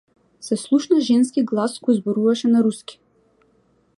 Се слушна женски глас кој зборуваше на руски.